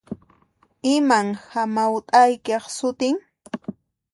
Iman hamawt'aykiq sutin?